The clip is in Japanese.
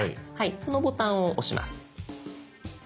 このボタンを押します。